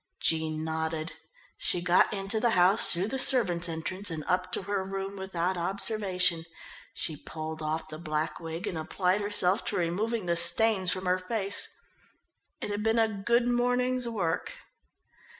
Jean nodded. She got into the house through the servants' entrance and up to her room without observation. She pulled off the black wig and applied herself to removing the stains from her face. It had been a good morning's work.